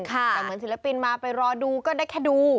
แต่เหมือนศิลปินมาไปรอดูก็ได้แค่ดู